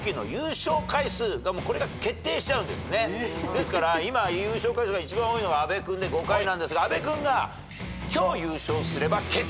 ですから今優勝回数が一番多いのが阿部君で５回なんですが。